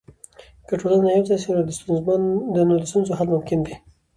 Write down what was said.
که ټولنه یوځای سي، نو د ستونزو حل ممکن دی.